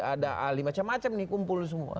ada ahli macam macam nih kumpul semua